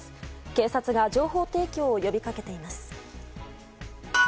警察が情報提供を呼び掛けています。